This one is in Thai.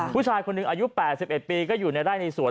ผู้ชายคนหนึ่งอายุ๘๑ปีก็อยู่ในไร่ในสวน